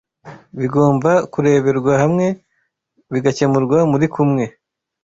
bigomba kureberwa hamwe bigakemurwa muri kumwe